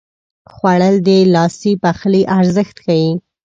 خوړل د لاسي پخلي ارزښت ښيي